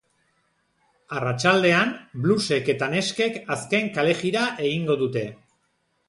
Arratsaldean, blusek eta neskek azken kalejira egingo dute.